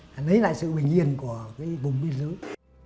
nấy lại sự bình yên của cái vùng biên giới